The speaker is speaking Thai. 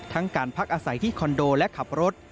การพักอาศัยที่คอนโดและขับรถ